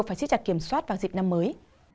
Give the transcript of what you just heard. phải diệt chặt kiểm soát vào dịch năm mới